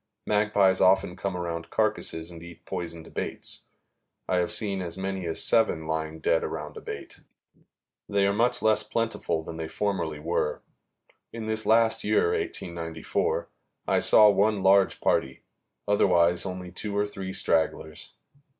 Magpies often come around carcasses and eat poisoned baits. I have seen as many as seven lying dead around a bait. They are much less plentiful than they formerly were. In this last year, 1894, I saw one large party; otherwise only two or three stragglers.